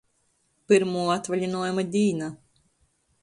Pyrmuo atvalinuojuma dīna.